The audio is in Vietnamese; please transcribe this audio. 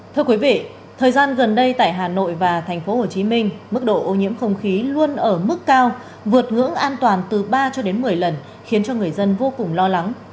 thưa quý vị thời gian gần đây tại hà nội và tp hcm mức độ ô nhiễm không khí luôn ở mức cao vượt ngưỡng an toàn từ ba cho đến một mươi lần khiến cho người dân vô cùng lo lắng